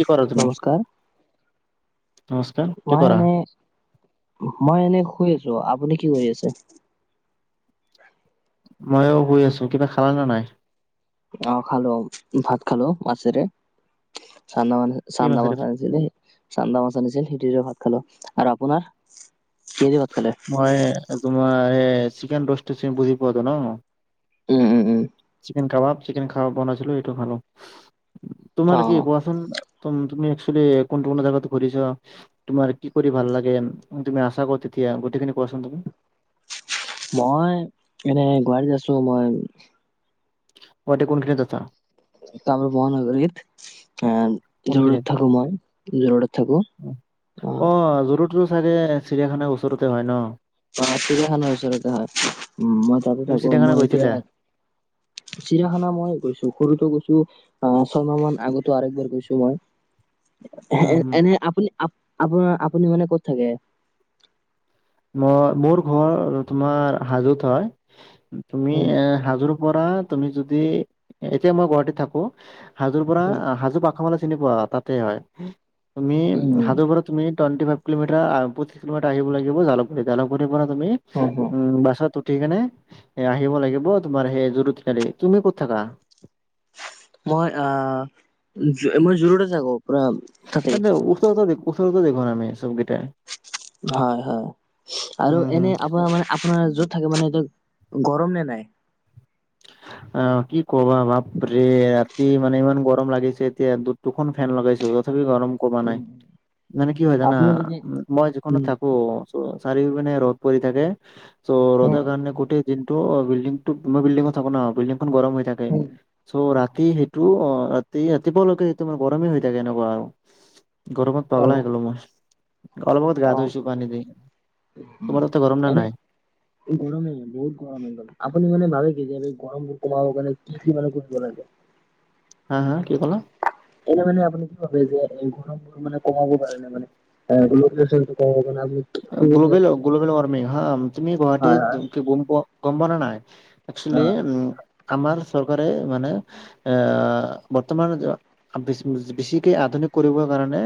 কি কৰা তুমি? নমস্কাৰ নমস্কাৰ, কি মই কৰা? এনে, মই এনে শুই আছো আপুনি কি কৰি আছে? ময়ও শুই আছো কিবা খালা নে নাই? অ' খালো ভাত খালো মছেৰে। চান্া মান কি চান্া মাছেৰে মাছ আনিছিলে চান্া মাছ আনিছিল সিো খালো আৰু আপোনাৰ? কিহেদি ভাত খালে মই তোমাৰ এই চিকেন ৰষ্টতো বুজি পোৱাটো ন? উম, উম-উম। চিকেন কবাব, চিকেন কবাব বনাইছিলো সেইটো খালো, অ তোমাৰ কি কোৱাচোন? তুমি একচোৱেলি কোনটো কোনটো জাগাত ঘূৰিছা তুমাৰ কি কৰি ভাল লাগে তুমি আছা কত এতিয়া গোটেইখিনি কোৱাচোন তুমি মই এনে গুৱাহাটীত আছো মই টে কন কিন যাতা কামৰূপ মহানগৰিত। অ' জুৰোডত কোনখিনিত? থাকো মই জুৰোডত থাকো অ'। [unintelligible] চাইদে চিৰিয়াখানা ওচৰতে হয় ন। পখানৰ ওচৰতে উ মই তাতে তুমি থাকো চিৰিয়াখানা মই এতিয়া গৈছিলা? চিৰাখানা মই গৈছো সৰুটো গৈছো। আহ ছয়মাহান আগতো আৰু একবাৰ গৈছো উম, মই হুম। এনে আপুনি আপোনাৰ আপুনি মান ক'ত থাকে মই মোৰ ঘৰ তোমাৰ হাজোত হয় তুমি উম, এ হাজোৰ পৰা তুমি যদি এতিয়া মই গুৱাহাটীত থাকো হাজোৰ পৰা উম। হাজো [unintelligible] চিনি পোৱা তাতে হয় তুমি উম, হাজোৰ পৰা তুমি ুৱ ফাইভ কোমিাৰ কিলোমিটাৰ আহিব লাগিব জালুকুী জালুকু পৰা হয়, হয়। তুমিম বাছ ঠিকেনে এ আহিব লাগিব তোমাৰ সেই জৰুত কালি তুমি ক'ত থাকা মই আহ মই জোৰদত তে ঠাকো। [unintelligible] আমি চবগিতাই। হয়-হয় আৰু এনে আপোনাৰ মানে আপোনাৰ যত থাকিব মানে গৰম নে নাই? [inaudible] অ কি ক'বা ভাপ ৰে ৰাতি মানে ইমান গৰম লাগিছে এতিয়া দু দুখন ফেন লগাইছো তথ গৰম কমা নাই মানে কি হয় জানা আপুনি যদি মই যিখনোনো উম, থাকো চ' চাৰিও পিনে ৰ'দ পৰি থাকে চ' ৰ'দৰ অ', কাৰণে গোটেই দিনটো অ' বিল্ডিং টো মই বিল্ডিংত থ ন বিল্ডিংখন গৰম হৈ থাকে চ' ৰা কি সেইটো অ' ৰাতি ৰাতিপুৱালৈকে সেইটো মানে গৰমেই হৈ থাকে এনেকুৱা আৰু। গৰমত পাগলা হৈ গলো মই। অলপ আগত গা অ'। ধইছো পানি দি। তোমাৰ তাতে গৰম নে এনে নাই গৰমেই বহুত গৰম হয়গল আপুনি মানে ভাবে তেতিয়াহলে গৰম কমাব কাৰণে কি কি মানে কৰিব লাগে। হা, হা কি কলা? এনে মানে আপুনি কি ভাবে যে গৰম বোৰ মানে কমাব পাৰে নে মানে [unintelligible] কমাব কাৰণে আপুনি কি কৰিব লাগে? গ্লবেল-গ্লবেল ওয়াৰ্মিং, হা তুমি হয় গুৱাহাটীত হয় গম পা নেনাই? অ একচোৱেলি উম আমাৰ চৰকাৰে মানে এ বৰ্তমান বেছিকে আধুনিক কৰিবৰ কাৰনে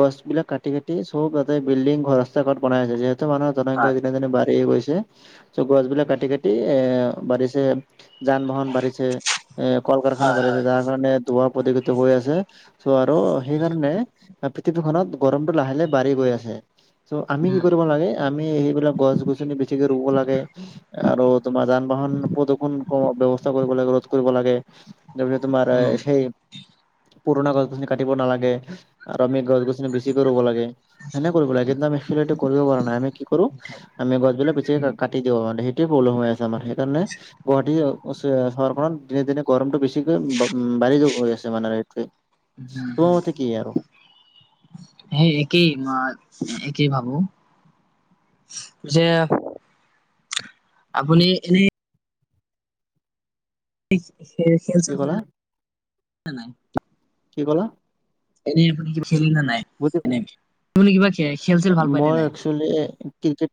গছ বিলাক কাটি কাতি চব য়াতে বিল্ডিং ঘৰ [unintelligible] বনাইছে যিহেতু মানুহৰ জনসংখ্যা হয় দিনে দিনে বাঢ়ি গৈছে চব গছ বিলাক কাটি কাটি এ বাঢ়িছে যান বাহন বাঢ়িছে এ কল কাৰখানা হয় বাঢ়িছে হয় যাৰ কাৰণে দুৱাৰ পক্ষিত হৈ আছে ত' আৰু সেইকাৰণে পৃথিৱীখনত গৰমটো লাহে লাহে বাঢ়ি গৈ আছে ত' আমি কি উম কৰিব লাগে আমি সেইবিলাক গছ গছনি বেছিকে ৰুব লাগে আৰু তোমাৰ যান বাহন প্ৰদূষণ ব্য্য়ৱস্থা কৰিব লাগে ৰোধ কৰিব লাগে তাৰপিছত তোমাৰ উম সেই পুৰণা গছ গছনি কাটিব নালাগে আৰু আমি গছ গছনি বেছিকৈ ৰুব লাগে সেনে কৰিব লাগে কিন্তু আমি টো কৰিব পৰা নাই আমি কি কৰো উঠাই আমি গছ বিিলাক উম পি কাটি দিব মানে পল হৈ আছে আমাৰ উম সেইকাৰণে গুৱাহাটী চহৰখনত দিনে দিনে গৰমতটো বেছিকৈম বা়ি যৈ আছে মানে এইোৱে উম হ সেই একেই কি ভাবো যে আপুনি এনেই খেল চেল কি ক'লা [unintelligible] নাই। কি ক'লা এনেই আপুনি কি খেলি ন নাই বুজি- এনে আপুনি কিবা খে- খেল চেল ভাল পায় নে মই নাই একচুৱেলি ক্ৰিকেট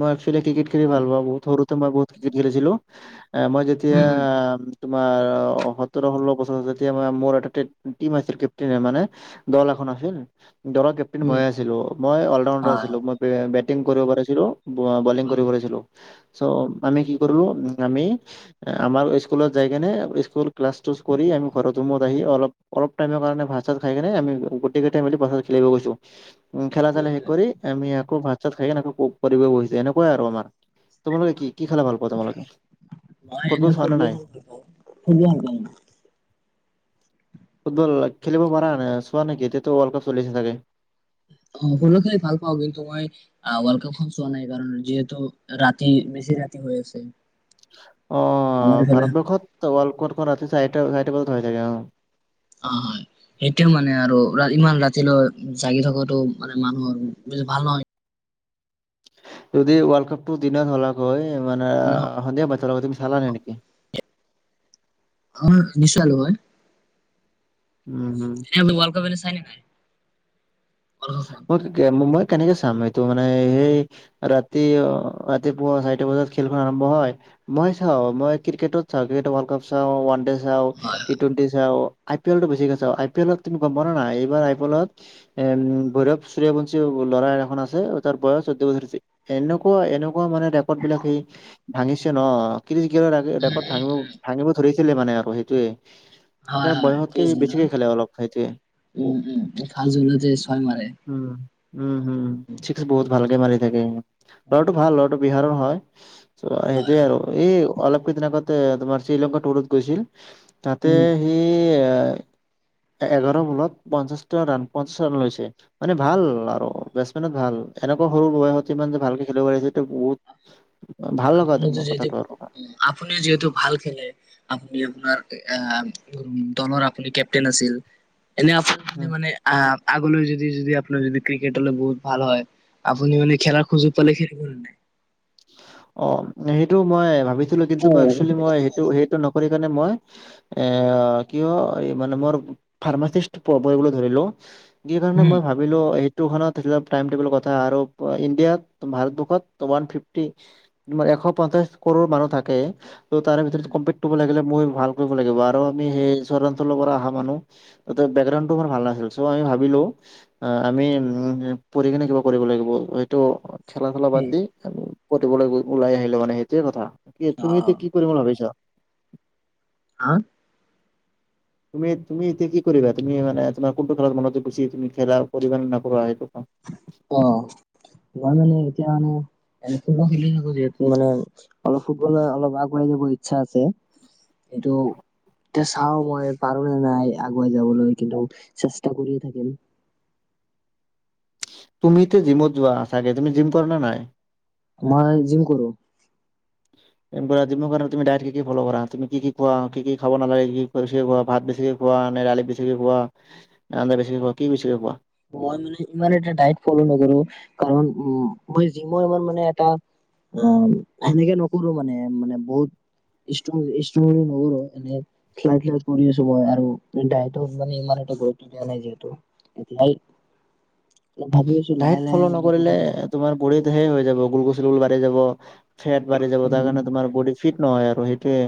মই একচোৱেলি ক্ৰিকেট খেলি উম ভাল পাওঁ বহুত সৰু মই বহুত ক্ৰিকেট খেলিছিলো মই যেতিয়া উম তোমাৰ সোতৰ ষোল্ল বছৰতিয়া ম মোৰ এটা টিম আছিল কেপটেইন মানে দল এখন আছিল দলৰ কেপ্টেইন উম ময়ে আছিলো মই অলৰাডাৰ হয় আছিলো হয়। মই ি কৰিব পাৰিছিলো বলিং উম কৰিব পাৰিছিলো চ' আমি কি কৰিলো উ আমি আাৰ স্কুলৰ জায়গ নে স্কুল ক্লাছ ু কৰি আমি ঘৰত ৰুমত আহি অলপ অলপ টাইমৰ কাৰণে ভাত চাত খাই কেনে আমি গোটেই গোটাইমি ভাতাত খেলিবলৈ গৈছো উ খেলােল স কৰি আমি ইাক ভাত চাত খাই পৰিৱেশ বহিছে এনেকুৱাই আৰু আমাৰ তোমালোকে কি কি খেলা ভাল পোৱা তোমালোকে মই ক'তব এনে চোৱা ন ফুটবল নাই খেলি ভাল পাওঁ ফুটবল ভাল পাওঁ মই। ফুটবল খেলিব পৰা চোৱা নেকি এতিয়াটো ৱৰ্ল্ড কাপ চলি আছে চাগে। অ ফুল খেলি ভাল পাওঁ কিন্তু মই ৱৰ্ল্ড কাপ খ চোৱা নাই কাৰণ যিহেতু ৰাতি বেছি ৰাতি হৈ আছে আমাৰ আহ এইফালে ভাৰতবৰ্ষত ৱৰ্ল্ড কপ ৰাতি চাৰিটা চাৰিটা বজাত হৈ থাকে অ অ হয় সেইটোোৱে মানে আৰু ইমান ৰাতিলৈ জাগি থকাটো মানে মানুহৰ বেছ ভাল নহয় যদি ৱৰ্ল্ড কাপটো দিনত হলাক হয়, মানে ন সন্ধিয়া বাচ্ছাৰ লগত তুমি চালা হয় নেকি। আাৰ নিচাল হয় উম, উম। এ ৱল কাপ এ চাই নাই ৱৰ্ল্ড কাপখন ম কে ম মই কেনেকে চাম এইটো মানে সেই ৰাতি ৰাতিপুৱা চাৰিটা বজাত খেলখন আৰম্ভ হয় মই চাওঁ মই ক্ৰিকেটত চাওঁ্ৰট ৱৰ্ল্ড কাপ চাওঁ ওান হয় হয় চই পি এল বেছিকে চা আই পি এল তুমি গম পা নাই এইবাৰ আই পি এলত এম ভৈৰৱ সূৰ্যবশী ল'ৰা এ এখন আছে তাৰ বয়স চৈধ্্য বছৰ হৈছে এনেকুৱা এনেকুৱাান মানে ৰেকৰ্ড বিলাক সেই ভাঙিছে ন। [unintelligible] উম, ৰেকৰ্ড উম, ভাঙিব-ভাঙিব ধৰিছিলে মানে আৰু সেইটোৱে। হয় ত হয় বয়সতকে পিছদিনাৰ বেছিকে খেলে অলপ খাইছে উম উম ফাৰ্ষ্ট জুলাইতে ছয় মাৰে উম, উম হম চিক্স বহুত ভালকে মাৰি থাকে উম, ল'ৰাটো ভাল ল'ৰাটো বিহাৰৰ হয় ত' হয় সেইটোয়ে হয় আৰু এই অলপ কেইদিন আগতে তোমাৰ শ্ৰীলংকা টুৰত গৈছিল। তাতে উম সেই এ এঘাৰ বলত পঞ্চাশটা ৰাণ পঞ্চাশ ৰান লৈছে মানে ভাল আৰু বেটছমেনত ভাল এনেকুৱা সৰু বাহত ইমান যে ভালকে খেলিব পাৰিছে এটো বহুত ভাল আপুো লগা মোৰ যিহেতু কথাটো আৰু। আপুনিও যিহেতু ভাল খেলে আ এ আপোনাৰ আ দলৰ আপুনি কেপটেইন আছিল। এনে ওপৰত যদি উম, মানে আ আগলৈ যদি যদি আপোনাৰ যদি ক্ৰিকেট হলে বহুত ভাল হয় আপুনি মানে খেলাৰ খোজোগ পালে খেলিব নাই অ, সেইটো মই ভাবিছিলো কিন্তু অ', মই উম, একচেলি মই সেইটো সেইটো ন কৰি কিনে মই এ কি হয় মানে মোৰ ফাৰ্মাচিচতো কৰিবলৈ ধৰিলো। কি কাৰণে উম, মই ভাবিলো এই তেই টাইম ুল কথা আৰু ইণ্ডিয়াত ভাৰতবখতান ফ তাৰ এশ পঞ্চাশ কৰৰ মানুহ থাকে ত' তাৰে ভিতৰত কম্পিট কৰিব লাগিলে মই ভাল কৰিব লাগিব আৰু আমি সেই চঞ্চলৰ পৰা অহা মানুহ ত বেকগ্ৰউটো আমাৰ ভাল নাছিল চ' আমি ভাবিলো আমি উ পঢ় কিনে কিবা কৰিব লাগিব সটো খেলা ধূলা বাদ উম, দি পঢ়িবলৈ ওলাই আহিলো মানে সেইটোৱে কথা, কি তুমি এতিয়া অ', কি কৰিম বুলি ভাবিছা। হ তুমি তুমি এতিয়া কি কৰিবা তুমি মানে তোমাৰ কোনটো খেলত মনযোগ বেছি তুমি খেলা কৰিবা নে নকৰা সেইটো অ মই মানে এতিয়া মানে এ ফুটবল খেলি থাকো যিহেতু মানে অলপ ফুটবল অলপ আগবঢ়াই যাব ইচ্ছা আছে কিটো তে চাও মই পাৰো নে নাই আগুৱাই যাবলৈ কিন্তু চেষ্টা কৰিয়ে থাকিম। [unintelligible] তুমি ইতিয়া জিমত যোৱা ছাগে তুমি জিম কৰা না নাই। মই জিম কৰো জিমৰ কাৰণে তুমি ডাইট কি ফল কৰা তুমি কি কি খোৱা কি কি খাব নালাগে কি খোৱা ভাত বেছিকে োৱা নে ৰাালিেছিকে কোৱা ন আ্া বেছিকোৱা কি বেছিকে কোৱা মই মানে ইমান এটা ডাইট ফল' নকৰো, কাৰণ উম মই যি মই ইমান মানে এটা অ সেনেকে নকৰো মানে মানে বহুত ষ্টষ্ট্ৰ বুলি নকৰো এনোইাই কৰি আছো মই আৰু মানে ই গুৰুত্ব দিয়া নাই যিহেতু এতিয়াই ভাবি আছো লাহে ডাইক লাহে ফল' এইবিলাকো নকৰিলে কৰিব হয় হয়। তোমাৰ বৰিত সে হৈ যাব গোল গছল গোুল বাঢ়ি যাব ফেট বাঢ়ি যাব তাৰ কাৰণে তোমাৰ বডী ফিট নহয় আৰু সেইটোোৱে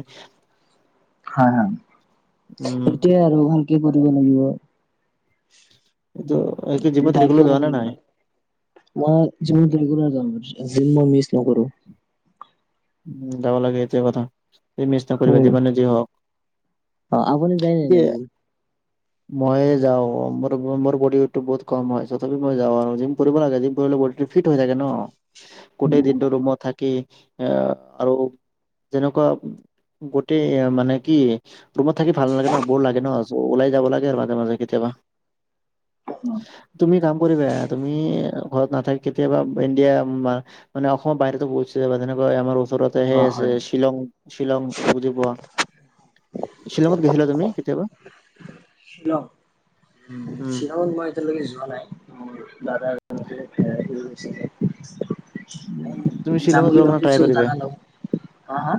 হ এইটয় আৰু এখন কি কৰিব লাগিব এইটো এইটো জিমত দা ৰেগুলাৰ ফল যোৱা নে নাই? কৰিবলৈ, মই যিমত ৰেগুলাৰ যাওঁ। জিম ম মিছ নকৰো উ যাব লাগেতিয়া কথা স মেচ ন কৰিব উম যিিবমান যি হওক অ আপুনি যায় নে নাই এয়া জিম? মই যাওঁ মোৰ মোৰ বডি ৱট টো বহুত কম হয় তথাপি মই যাওঁ আৰু জিম লাগে জিম ফি হৈ থাকে ন গোটেই দিনটো ৰৰুমত থাকি এ আৰু যেনেকুৱা গোটেই এ মানে কি ৰুমত থাকি ভাল নালাগে ন বৰ লাগে ন চ' ওলাই যাব লাগে আৰ মাজে মাজে কেতিয়াবা। তুমি কাম কৰিবা তুমি ঘৰত নাথাক কেতিয়াবা ইণ্ডিয়া মানে অসমৰ বাহিৰো প যা তেনেকৈ আমাৰ ওচৰতে অ সেই আছে হয়। হয়। শ্বিলং শ্বিলং বুজি পোৱা শিলংগত গেছিলিলা তুমি কেতিয়ায়াবা শ্বিলং উ উম শ্বিলঙত মই এতিয়ালৈকে যোৱা নাই দাদা সে হৈছেে তুমি শ্বিলঙত যোৱা ্ৰাই কৰিবা দাদা লগ হা হা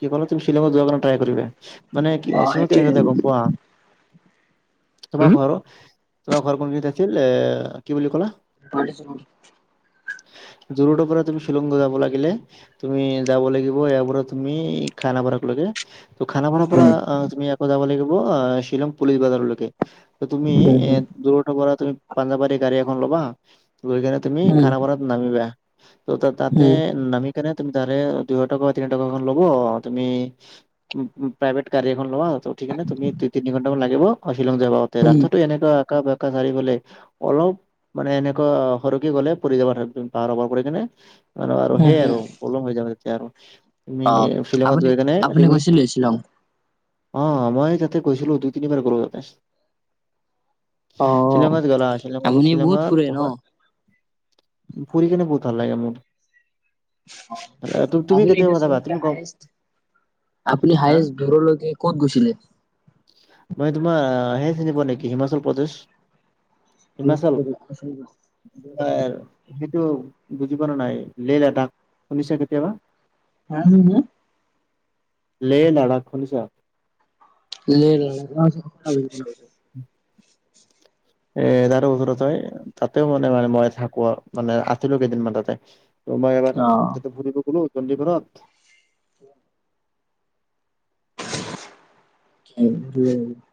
কি ক তুমি সোক যোৱা কাৰণে ট্ৰাই কৰিবা মানে কি অ হয় সেইটোৱে গম পোৱা। তোমাৰ ঘৰ তোমাৰ ঘৰ কোনজনদি আছিল এ কি বুলি ক'লা পছ জোৰতৰ পৰা তুমি শ্বিলংগ যাব লাগিলে তুমি যাব লাগিব ইয়াৰ পৰা তুমি খানা খানাপাৰা পৰা তুমি আকৌ যাব লাগিব শ্বিলং পুলিচ বাজাৰলৈকে। তুমি উম, এ দুটাৰ পৰা তুমি পাঞ্জাবাৰী গাড়ী এখন ল'বা ে তুমি উম, খান ব য়া তো তাতে উম, নামি কেনে তুমি তাৰে দুশ টকা, বা তিনি টকা মান এখন ল'ব তুমি [unintelligible] প্ৰাইভেট গাড়ী এখন লোৱা তো, উঠিকেনে তুমি দুই তি-তি-তিনি ঘণ্টামান লাগিব, অ', শ্বিলং যায় পাওঁতে, ৰাস্তাটো এনেকুৱা একা বেঁকা চাৰিওফালে, অলপ মানে এনেকুৱা সৰকি গ'লে পৰি যাব ধ পাহাৰৰ পৰা পৰি কেনে আৰু, আৰু সেই হম। আৰু প্ৰব্লেম হৈ যাব তেতিয়া আৰু। তুমি অ', ফিল্মত আপুনি গৈ কেনে আপুনি তুমি গৈছিলে শ্বিলং? অ', মই তাতে গৈছিলো দুই তিনিবাৰ গ'লো তাতে। অ', শ্বিলংত গ'লা শ্বিলংত, আপুনি বহুত ফুৰে শ্বিলংত ন? [unintelligible] ফুৰি কেনে বহুত ভাল লাগে মোৰ। তুমি [unintelligible] এতিয়া কেতিয়া যাবা চবতকে তুমি কম হায়েষ্ট আপুনি হা হায়েষ্ট দূৰলৈকে ক'ত গৈছিলে? মই তোমাৰ হেই চিনি পোৱা নেকি হিমাচল প্ৰদেচ? হিমাচল [inaudible] কিন্তু বুজি পোৱা ন নাই লেহ লেদাক শুনিছে কেতিয়াবা? [unintelligible] লে, লাডাখ শুনিছা? [unintelligible] [unintelligible] এ, তাৰে ওচৰতে তাতেও মানে, মানে মই থাকোঁ আৰু মানে আছিলোঁ কেইদিনমান তাতে। ত' মই এবাৰ তাতে ফুৰিব গ'লো চণ্ডীগৰত। [unintelligible]